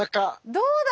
どうだ？